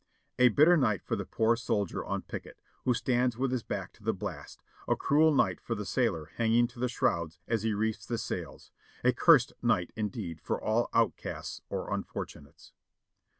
A bitter night for the poor soldier on picket, who stands with his back to the blast ; a cruel night for the sailor hanging to the shrouds as he reefs the sails ; a cursed night indeed for all out casts or unfortunates.